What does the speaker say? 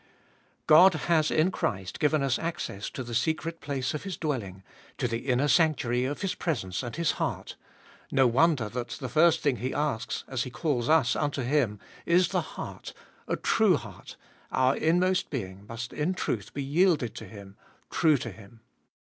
God has in Christ given us access to the secret place of His dwelling, to the inner sanctuary of His presence and His heart ; no wonder that the first thing He asks, as He calls us unto Him, is the heart — a true heart ; our inmost being must in truth be yielded to Him, true to Him.